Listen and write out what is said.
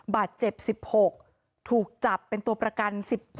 บาดเจ็บ๑๖ถูกจับเป็นตัวประกัน๑๗